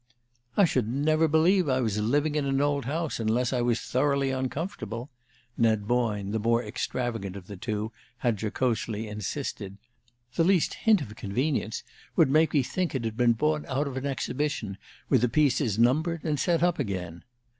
"I should never believe I was living in an old house unless I was thoroughly uncomfortable," Ned Boyne, the more extravagant of the two, had jocosely insisted; "the least hint of 'convenience' would make me think it had been bought out of an exhibition, with the pieces numbered, and set up again."